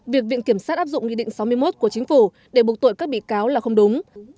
việc viện kiểm sát áp dụng nghị định sáu mươi một của chính phủ để buộc tội các bị cáo là không đúng